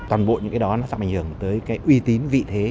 toàn bộ những cái đó nó sẽ ảnh hưởng tới cái uy tín vị thế